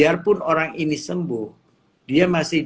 terpaksa orangnya menlevavarkannya